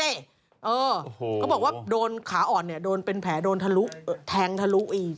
เออก็บอกว่าขาอ่อนโดนเป็นแผลโดนทะลุแทงทะลุอีก